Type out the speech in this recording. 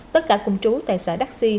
tất cả cùng trú tại xã đắc si